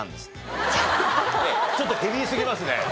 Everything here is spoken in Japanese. ちょっとヘビーすぎますね。